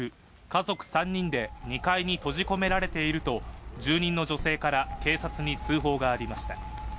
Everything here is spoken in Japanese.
家族３人で２階に閉じ込められていると住人の女性から警察に通報がありました。